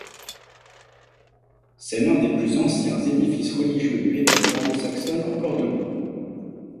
C'est l'un des plus anciens édifices religieux de l'époque anglo-saxonne encore debout.